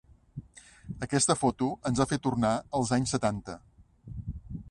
Aquesta foto ens va fer tornar als anys setanta.